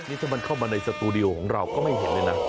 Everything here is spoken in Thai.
นี่ถ้ามันเข้ามาในสตูดิโอของเราก็ไม่เห็นเลยนะ